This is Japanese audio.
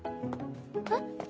えっ？